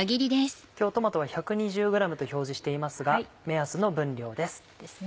今日トマトは１２０ｇと表示していますが目安の分量です。